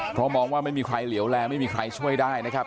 เพราะมองว่าไม่มีใครเหลวแลไม่มีใครช่วยได้นะครับ